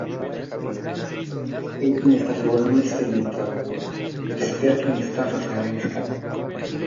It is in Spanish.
Es un estafador muy experimentado, experto en estafas a gran escala.